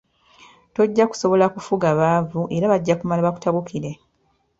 Tojja kusobola kufuga baavu era bajja kumala bakutabukire.